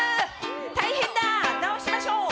大変だ、治しましょう。